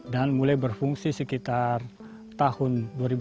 dan mulai berfungsi sekitar tahun dua ribu sembilan belas